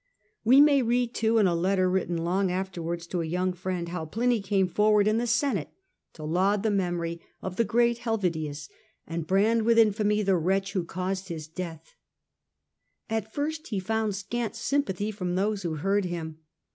We may read, too, in a letter written long afterwards to a young friend, how Pliny came forward in the senate to laud the memory ol 4 A.D. The Age of the Antonines, Uie great Helvidius, and brand with infamy the wretch Ep. ix. 13. caused his death. At first he found scant sympathy from those who heard him.